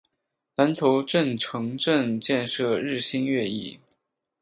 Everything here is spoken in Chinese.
南头镇城镇建设日新月异。